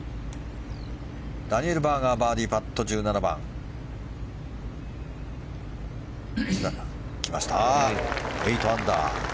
ダニエル・バーガーバーディーパット、１７番。来ました、８アンダー。